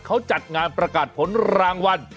เขาจัดงานประกาศผลรางวัล